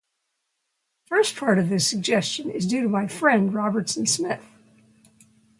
The first part of this suggestion is due to my friend Robertson Smith.